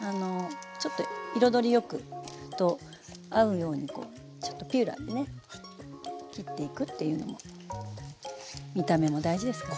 ちょっと彩りよくと合うようにちょっとピーラーでね切っていくっていうのも見た目も大事ですからね。